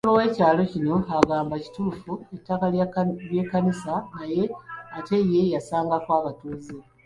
Ssentebe w'ekyalo kino agamba kituufu ettaka lya Kkanisa naye ate ye yasangako abatuuze.